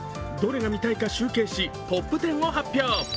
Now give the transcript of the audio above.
どれが見たいか集計しトップ１０を発表。